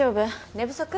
寝不足？